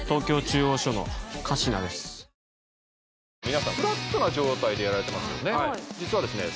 皆さんフラットな状態でやられてますよね